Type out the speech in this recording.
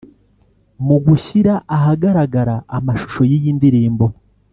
Mu gushyira ahagaragara amashusho y’iyi ndirimbo